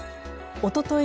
おととい